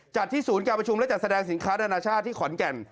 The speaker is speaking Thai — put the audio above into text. ที่ศูนย์การประชุมและจัดแสดงสินค้านานาชาติที่ขอนแก่น